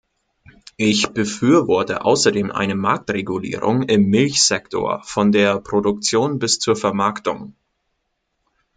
Ich befürworte außerdem eine Marktregulierung im Milchsektor, von der Produktion bis zur Vermarktung.